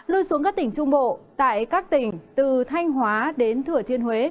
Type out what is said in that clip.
lưu xuống các tỉnh trung bộ tại các tỉnh từ thanh hóa đến thửa thiên huế